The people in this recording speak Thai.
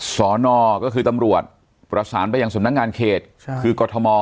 สอนอก็คือตำรวจประสานไปยังสำนักงานเขตคือกรทม